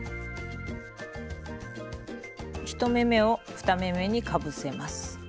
１目めを２目めにかぶせます。